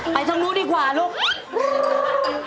ไปทางดูดีกว่าลูก